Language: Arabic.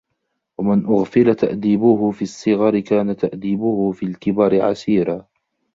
وَمَنْ أُغْفِلَ تَأْدِيبُهُ فِي الصِّغَرِ كَانَ تَأْدِيبُهُ فِي الْكِبَرِ عَسِيرًا